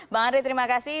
bang andri terima kasih